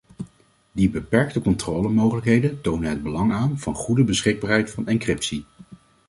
Die beperkte controlemogelijkheden tonen het belang aan van goede beschikbaarheid van encryptie.